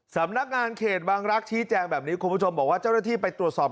สำนักงานเขตบางรักษ์ชี้แจงแบบนี้คุณผู้ชมบอกว่าเจ้าหน้าที่ไปตรวจสอบ